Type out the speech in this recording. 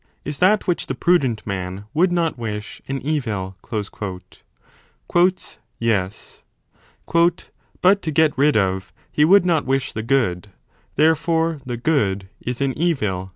Is that which the prudent man 15 would not wish, an evil ? Yes. But to get rid of, he would not wish the good : therefore the good is an evil.